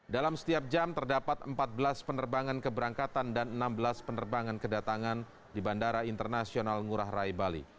dalam setiap jam terdapat empat belas penerbangan keberangkatan dan enam belas penerbangan kedatangan di bandara internasional ngurah rai bali